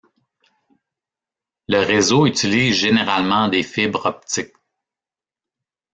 Le réseau utilise généralement des fibres optiques.